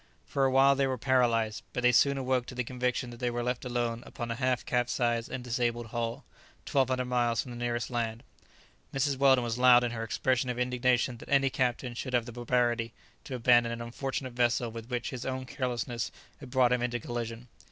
For a while they were paralyzed, but they soon awoke to the conviction that they were left alone upon a half capsized and disabled hull, twelve hundred miles from the nearest land. Mrs. Weldon was loud in her expression of indignation that any captain should have the barbarity to abandon an unfortunate vessel with which his own carelessness had brought him into collision.